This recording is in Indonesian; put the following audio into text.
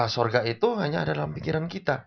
surga itu hanya ada dalam pikiran kita